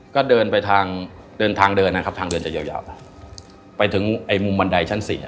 ก็เดินทางเดินนะครับทางเดินจะยาวไปถึงมุมบันไดชั้น๔